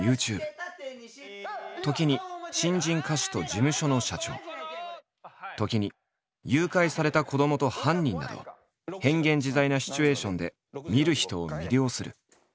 時に新人歌手と事務所の社長時に誘拐された子どもと犯人など変幻自在なシチュエーションで見る人を魅了する。